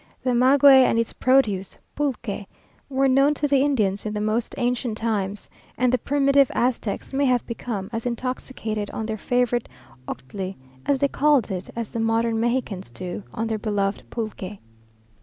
The maguey and its produce, pulque, were known to the Indians in the most ancient times, and the primitive Aztecs may have become as intoxicated on their favourite octli, as they called it, as the modern Mexicans do on their beloved pulque.